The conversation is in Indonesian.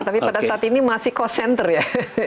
tapi pada saat ini masih cost center ya